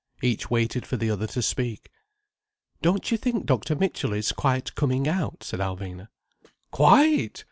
Each waited for the other to speak. "Don't you think Dr. Mitchell is quite coming out?" said Alvina. "Quite!